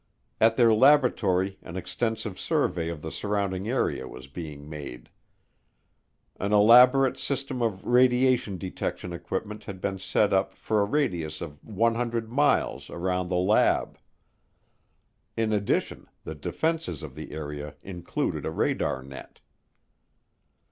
At their laboratory an extensive survey of the surrounding area was being made. An elaborate system of radiation detection equipment had been set up for a radius of 100 miles around the lab. In addition, the defenses of the area included a radar net.